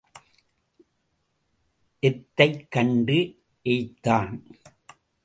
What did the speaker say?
எத்தைக் கண்டு ஏய்த்தான்?